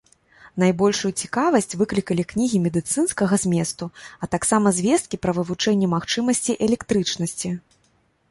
Найбольшую цікавасць выклікалі кнігі медыцынскага зместу, а таксама звесткі пра вывучэнне магчымасцей электрычнасці.